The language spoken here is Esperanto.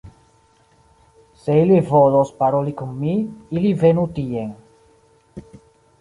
Se ili volos paroli kun mi, ili venu tien.